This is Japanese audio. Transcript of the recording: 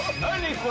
これ。